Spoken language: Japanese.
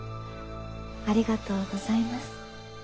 ありがとうございます。